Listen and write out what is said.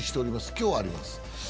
今日あります。